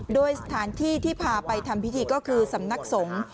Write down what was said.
โดยสถานที่ที่พาไปทำพิธีก็คือสำนักสงฆ์